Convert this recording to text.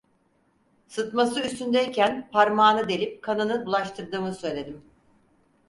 Sıtması üstündeyken parmağını delip kanını bulaştırdığımı söyledim.